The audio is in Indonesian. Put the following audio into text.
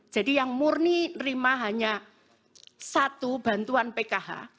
jadi yang murni nerima hanya satu bantuan pkh